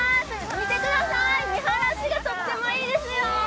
見てください、見晴らしがとってもいいですよ。